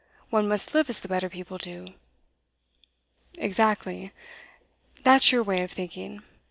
One must live as the better people do.' 'Exactly. That's your way of thinking.